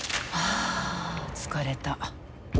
あ疲れた。